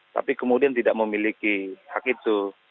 tapi kemudian tidak memiliki hak itu